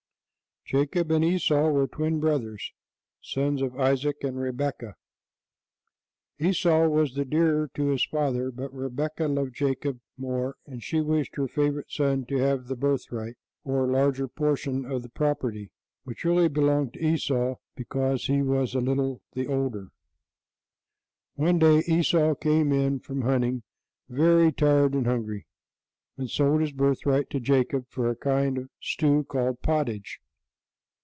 Jacob and Esau were twin brothers, sons of Isaac and Rebekah. Esau was the dearer to his father; but Rebekah loved Jacob more, and she wished her favorite son to have the birthright, or larger portion of the property, which really belonged to Esau because he was a little the older. One day Esau came in from hunting, very tired and hungry, and sold his birthright to Jacob for a kind of stew called pottage.